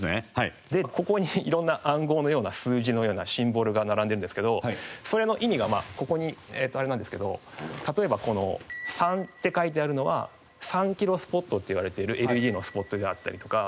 ここに色んな暗号のような数字のようなシンボルが並んでるんですけどそれの意味がここにあれなんですけど例えばこの３って書いてあるのは３キロスポットっていわれているＬＥＤのスポットであったりとか。